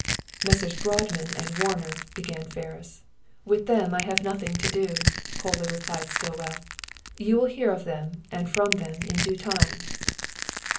"Messrs. Boardman and Warner," began Ferris. "With them I have nothing to do," coldly replied Stillwell. "You will hear of them and from them in due time."